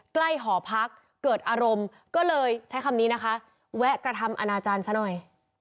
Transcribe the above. หอพักเกิดอารมณ์ก็เลยใช้คำนี้นะคะแวะกระทำอนาจารย์ซะหน่อย